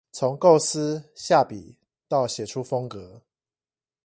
從構思、下筆到寫出風格